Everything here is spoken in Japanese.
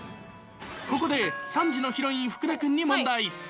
ここで３時のヒロイン・福田君に問題。